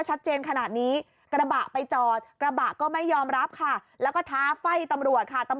เรื่องน้ำใจมันเกี่ยวข้องยังไงนะ